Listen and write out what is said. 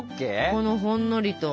このほんのりと。